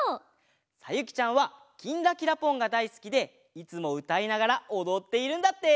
さゆきちゃんは「きんらきらぽん」がだいすきでいつもうたいながらおどっているんだって！